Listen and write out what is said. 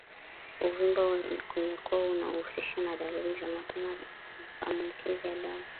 Uvimbe kwenye koo unaohusishwa na dalili za mapema za maambukizi ya damu